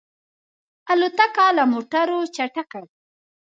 الوتکه له موټرو چټکه ده.